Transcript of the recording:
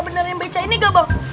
bisa benerin beca ini gak bang